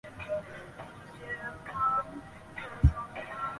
同治进士尹寿衡之子。